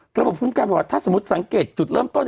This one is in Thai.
ระบบคุ้มการบอกว่าถ้าสมมุติสังเกตจุดเริ่มต้น